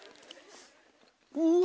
うわ！